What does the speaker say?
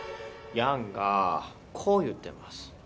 楊がこう言ってます。